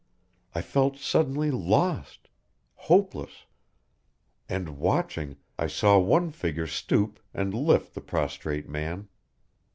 I felt suddenly lost; hopeless And watching, I saw one figure stoop and lift the prostrate man.